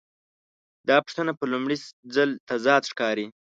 دا پوښتنه په لومړي ځل تضاد ښکاري.